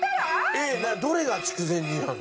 えっどれが筑前煮なの？